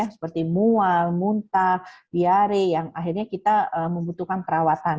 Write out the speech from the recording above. seperti mual muntah diare yang akhirnya kita membutuhkan perawatan